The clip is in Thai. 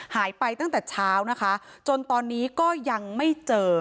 หายไปตั้งแต่เช้านะคะจนตอนนี้ก็ยังไม่เจอ